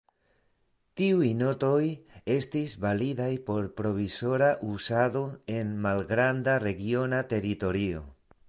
Tiuj notoj estis validaj por provizora uzado en malgranda regiona teritorio.